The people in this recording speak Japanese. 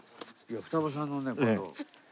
二葉さんのねこの。